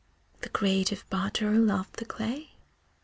The creative potter loved the clay.